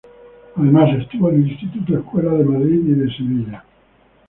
Además, estuvo en el Instituto-Escuela de Madrid y de Sevilla.